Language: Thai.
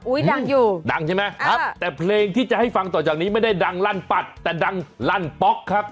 ดังอยู่ดังใช่ไหมครับแต่เพลงที่จะให้ฟังต่อจากนี้ไม่ได้ดังลั่นปัดแต่ดังลั่นป๊อกครับ